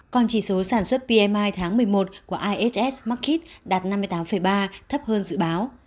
còn chỉ số sản xuất pmi tháng một mươi một của iss mcket đạt năm mươi tám ba thấp hơn dự báo